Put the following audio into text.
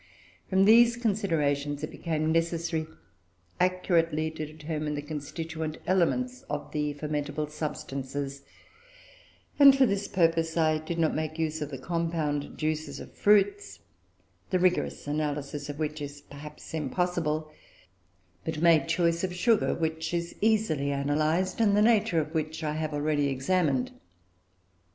From these considerations it became necessary accurately to determine the constituent elements of the fermentable substances; and for this purpose I did not make use of the compound juices of fruits, the rigorous analysis of which is perhaps impossible, but made choice of sugar, which is easily analysed, and the nature of which I have already explained.